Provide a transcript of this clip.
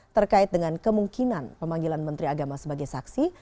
terkait dengan kemungkinan pemanggilan menteri agama sebagai saksi